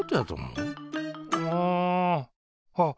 うんはっ